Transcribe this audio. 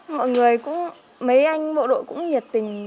mọi người cũng mấy anh bộ đội cũng nhiệt tình